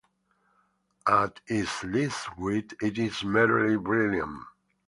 At its least great, it is merely brilliant...